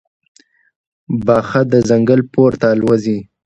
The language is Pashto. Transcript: باښه د ځنګل پورته الوزي.